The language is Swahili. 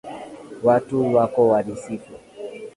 Watu wako walisifu.